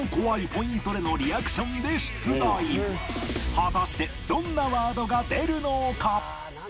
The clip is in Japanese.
果たしてどんなワードが出るのか？